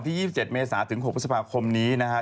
พี่ชอบแซงไหลทางอะเนาะ